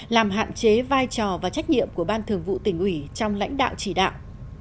làm hạn chế vai trò và trách nhiệm của ban thường vụ tỉnh ủy trong lãnh đạo chỉ đạo